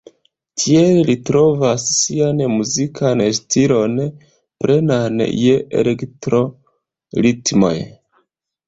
Tiel, li trovas sian muzikan stilon plenan je elektro-ritmoj.